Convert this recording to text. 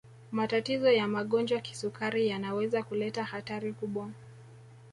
matatizo ya magonjwa kisukari yanaweza kuleta hatari kubwa